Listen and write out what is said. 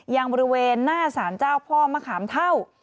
ยังบริเวณหน้าสารเจ้าพ่อมะขามเท่า